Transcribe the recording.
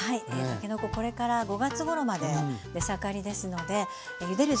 たけのここれから５月ごろまで出盛りですのでゆでる